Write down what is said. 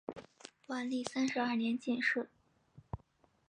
万历三十二年进士。